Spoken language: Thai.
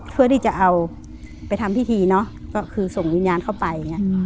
เพื่อที่จะเอาไปทำพิธีเนอะก็คือส่งวิญญาณเข้าไปไง